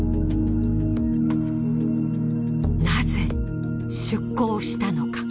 なぜ出航したのか。